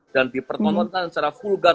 dan diperkontrolkan secara vulgar